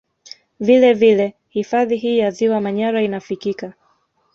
Vile vile hifadhi hii ya ziwa Manyara inafikika